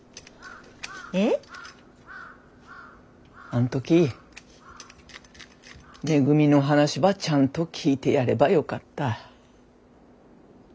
あん時めぐみの話ばちゃんと聞いてやればよかった。